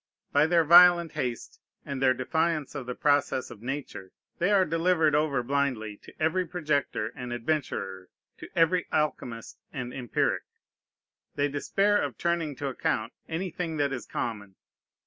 By their violent haste, and their defiance of the process of Nature, they are delivered over blindly to every projector and adventurer, to every alchemist and empiric. They despair of turning to account anything that is common.